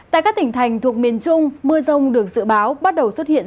tại các tỉnh thành thuộc miền trung mưa rông được dự báo bắt đầu xuất hiện